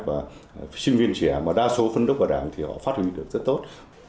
và sinh viên trẻ mà đa số phân đốc vào đảng thì họ phát huy được rất tốt